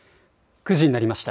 ９時になりました。